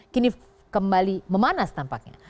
kini kembali memanas tampaknya